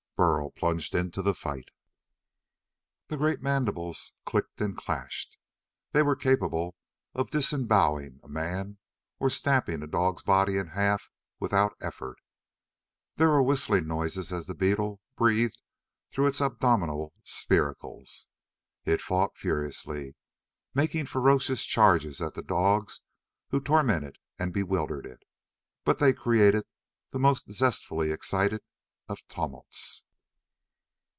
Burl plunged into the fight. The great mandibles clicked and clashed. They were capable of disemboweling a man or snapping a dog's body in half without effort. There were whistling noises as the beetle breathed through its abdominal spiracles. It fought furiously, making ferocious charges at the dogs who tormented and bewildered it. But they created the most zestfully excited of tumults.